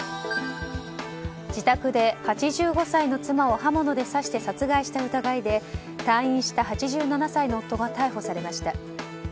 自宅で８５歳の妻を刃物で刺して殺害した疑いで退院した８７歳の夫が逮捕されました。